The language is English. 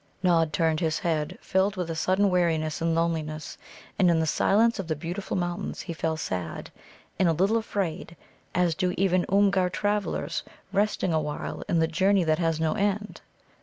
Nod turned his head, filled with a sudden weariness and loneliness. And in the silence of the beautiful mountains he fell sad, and a little afraid, as do even Oomgar travellers resting awhile in the journey that has no end.